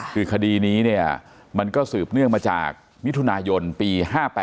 คือคดีนี้เนี่ยมันก็สืบเนื่องมาจากมิถุนายนปี๕๘